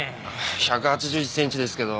１８１センチですけど。